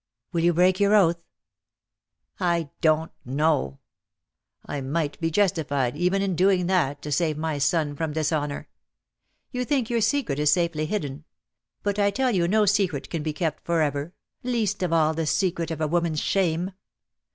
"Will you break your oath?" "I don't know. I might.be justified even iii doing that, to save my son from dishonour. You think your secret is safely hidden; but I tell you no secret can be kept for ever — least of all the secret of a woman's shame.